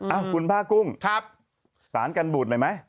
อ้าวคุณพ่ากุ้งสารกันบูดใหม่มามั้ย